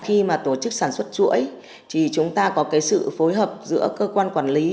khi mà tổ chức sản xuất chuỗi thì chúng ta có cái sự phối hợp giữa cơ quan quản lý